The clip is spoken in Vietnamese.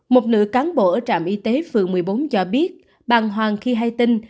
một nữ cán bộ ở trạm y tế phường một mươi bốn cho biết bàn hoàng khi hay tin